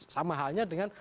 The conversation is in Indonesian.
sama halnya dengan